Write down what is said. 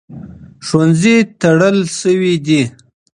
ښوونځي تړل شوي دي.